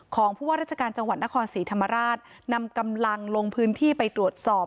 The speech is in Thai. ของผู้ว่าราชการจังหวัดนครศรีธรรมราชนำกำลังลงพื้นที่ไปตรวจสอบ